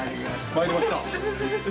参りました。